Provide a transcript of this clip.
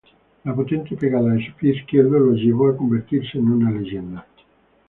La potente pegada de su pie izquierdo lo llevó a convertirse en una leyenda.